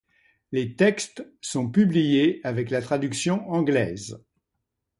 Les textes sont publiés avec la traduction anglaise.